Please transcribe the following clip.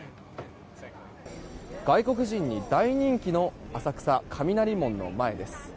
外国人に大人気の浅草・雷門の前です。